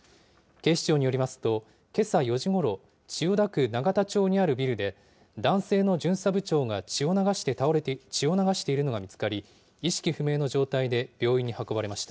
警視庁によりますと、けさ４時ごろ、千代田区永田町にあるビルで、男性の巡査部長が血を流しているのが見つかり、意識不明の状態で病院に運ばれました。